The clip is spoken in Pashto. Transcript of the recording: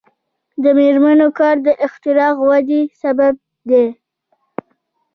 د میرمنو کار د اختراع ودې سبب دی.